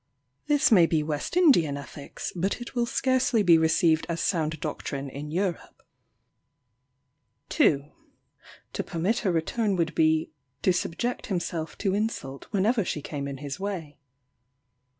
This may be West Indian ethics, but it will scarcely be received as sound doctrine in Europe. 2. To permit her return would be "to subject himself to insult whenever she came in his way."